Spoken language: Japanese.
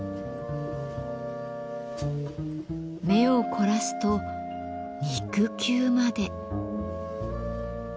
目を凝らすと肉球まで。